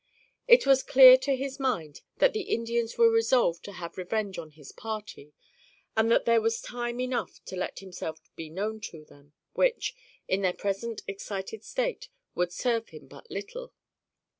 It was clear to his mind that the Indians were resolved to have revenge on his party, and that there was time enough to let himself be known to them, which, in their present excited state, would serve him but little.